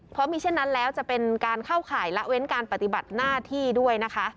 เพราะมีเช่นนั้นแล้วจะเป็นการเข้าข่ายละเว้นการปฏิบัติหน้าที่ด้วยนะคะ